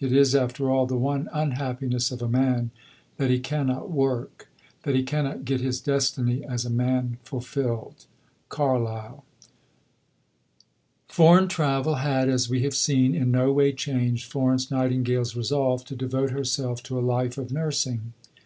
It is, after all, the one unhappiness of a man, that he cannot work; that he cannot get his destiny as a man fulfilled. CARLYLE. Foreign travel had, as we have seen, in no way changed Florence Nightingale's resolve to devote herself to a life of nursing.